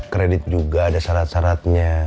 kredit juga ada syarat syaratnya